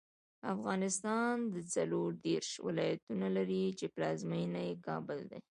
افغانستان څلوردېرش ولایتونه لري، چې پلازمېنه یې کابل دی.